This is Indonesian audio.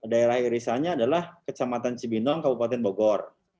daerah irisannya adalah kecamatan cibindong kebupaten bogor